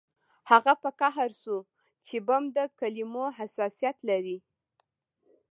هغه په قهر شو چې بم د کلمو حساسیت لري